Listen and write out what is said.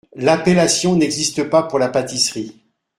L’appellation n’existe pas pour la pâtisserie.